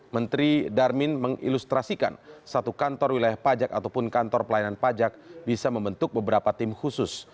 menteri darmin mengilustrasikan satu kantor wilayah pajak ataupun kantor pelayanan pajak bisa membentuk beberapa tim khusus